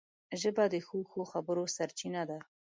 ژبه د ښو ښو خبرو سرچینه ده